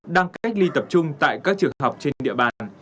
đang cách ly tập trung tại các trường học trên địa bàn